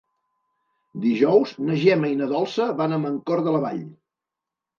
Dijous na Gemma i na Dolça van a Mancor de la Vall.